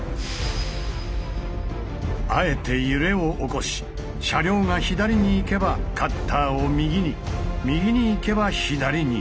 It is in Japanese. あえて揺れを起こし車両が左に行けばカッターを右に右に行けば左に。